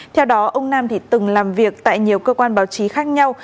theo đó ông nam thì từng làm việc tại nhiều cơ quan báo chí khác nhau